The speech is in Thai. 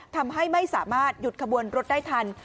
ทำให้ไม่สามารถหยุดขบวนรถได้ทัน